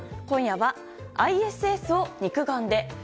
今夜はＩＳＳを肉眼で。